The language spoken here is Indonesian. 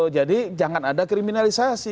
jadi jangan ada kriminalisasi